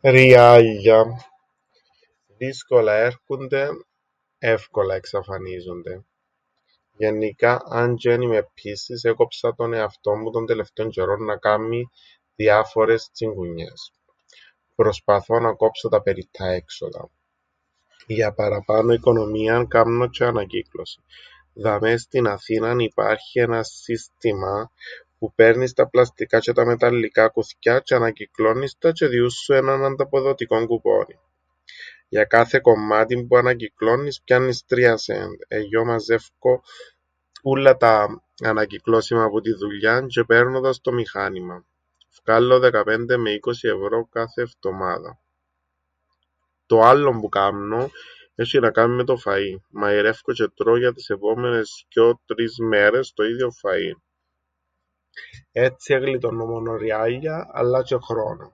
Ριάλλια... Δύσκολα έρκουνται, εύκολα εξαφανίζονται. Γεννικά, αν τζ̆αι εν είμαι ππίσσης, έκοψα τον εαυτόν μου τον τελευταίον τζ̆αιρόν να κάμμει διάφορες τσιγκουνιές. Προσπαθώ να κόψω τα περιττά έξοδα. Για παραπάνω οικονομίαν, κάμνω τζ̆αι ανακύκλωσην. Δαμαί στην Αθήναν υπάρχει έναν σύστημαν, που παίρνεις τα πλαστικά τζ̆αι τα μεταλλικά κουθκιά τζ̆αι ανακυκλώννεις τα, τζ̆αι διούν σου έναν ανταποδοτικόν κουπόνιν. Για κάθε κομμάτιν που ανακυκλώννεις, πιάννεις τρία σεντ. Εγιώ μαζεύκω ούλλα τα ανακυκλώσιμα που την δουλειάν τζ̆αι παίρνω τα στο μηχάνημαν. Φκάλλω δεκαπέντε με είκοσι ευρώ κάθε εφτομάδαν. Το άλλον που κάμνω, έσ̆ει να κάμει με το φαΐν: μαειρέφκω τζ̆αι τρώω για τες επόμενες θκυο-τρεις μέρες το ίδιον φαΐν. Έτσι, εν γλιτώννω μόνον ριάλλια, αλλά τζ̆αι χρόνον.